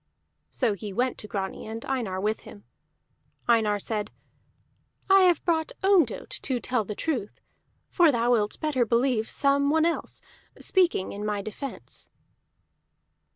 So he went to Grani, and Einar with him. Einar said: "I have brought Ondott to tell the truth, for thou wilt better believe some one else, speaking in my defence."